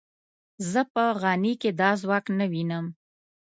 زه په غني کې دا ځواک نه وینم.